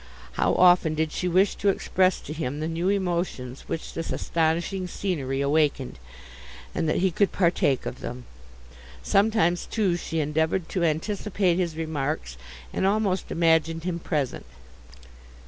How often did she wish to express to him the new emotions which this astonishing scenery awakened, and that he could partake of them! Sometimes too she endeavoured to anticipate his remarks, and almost imagined him present.